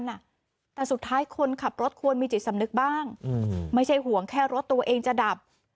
แต่สุดท้ายคนขับรถควรมีจิตสำนึกบ้างไม่ใช่ห่วงแค่รถตัวเองจะดับ